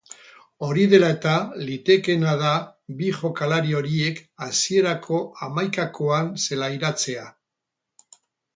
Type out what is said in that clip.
Hori dela eta, litekeena da bi jokalari horiek hasierako hamaikakoan zelairatzea.